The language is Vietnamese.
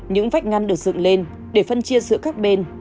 những vách ngăn được dựng lên để phân chia giữa các bên